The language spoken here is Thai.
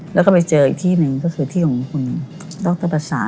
แล้วก็ไปเจออีกที่หนึ่งก็คือที่ของคุณดรประสาท